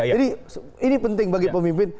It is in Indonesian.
jadi ini penting bagi pemimpin